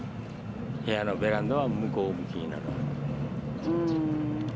部屋のベランダは向こう向きになる。